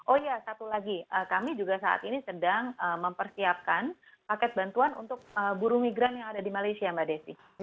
oh iya satu lagi kami juga saat ini sedang mempersiapkan paket bantuan untuk buru migran yang ada di malaysia mbak desi